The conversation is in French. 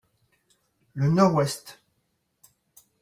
Le nord-ouest.